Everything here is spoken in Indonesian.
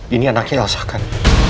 ini anaknya asalkan